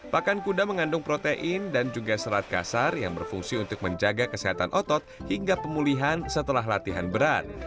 pakan kuda mengandung protein dan juga serat kasar yang berfungsi untuk menjaga kesehatan otot hingga pemulihan setelah latihan berat